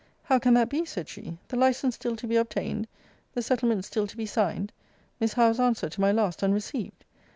How can that be? said she: the license still to be obtained? The settlements still to be signed? Miss Howe's answer to my last unreceived?